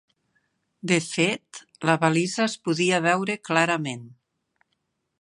De fet, la balisa es podia veure clarament.